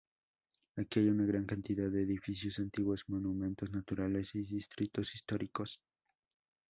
Aquí hay una gran cantidad de edificios antiguos, monumentos naturales y distritos históricos.